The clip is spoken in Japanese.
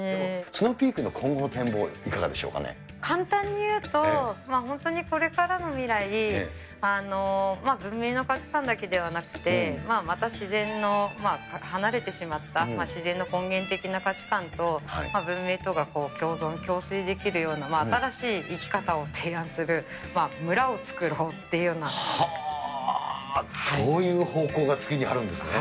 スノーピークの今後の展望、簡単に言うと、本当にこれからの未来、文明の価値観だけではなくて、また自然の離れてしまった自然の根源的な価値観と、文明とが共存共生できるような新しい生き方を提案する村を作ろうそういう方向が次にあるんですね。